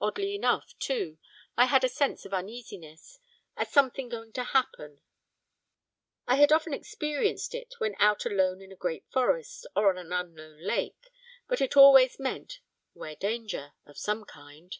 Oddly enough, too, I had a sense of uneasiness, a 'something going to happen'. I had often experienced it when out alone in a great forest, or on an unknown lake, and it always meant 'ware danger' of some kind.